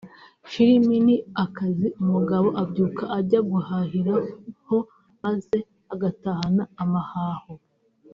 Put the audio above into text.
filime ni akazi umugabo abyuka ajya guhahiraho maze agatahana amahaho